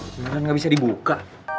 beneran gak bisa dibuka